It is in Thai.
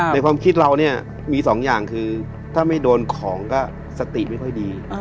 ความคิดเราเนี่ยมีสองอย่างคือถ้าไม่โดนของก็สติไม่ค่อยดี